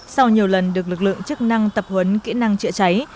sau nhiều lần được lực lượng chức năng tập huấn kỹ năng chữa cháy